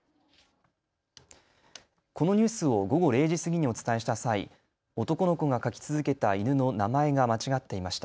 このニュースを午後０時過ぎにお伝えした際、男の子が描き続けた犬の名前が間違っていました。